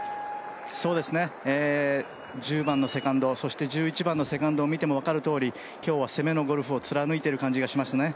１０番のセカンド、１１番のセカンドを見ても分かるとおり今日は攻めのゴルフを貫いている感じがしますね。